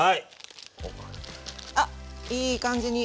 あっいい感じに。